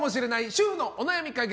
主婦のお悩み解決！